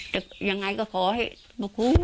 แต่ยังไงก็ขอให้บุคคล